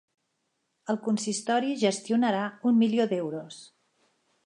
El consistori gestionarà un milió d'euros.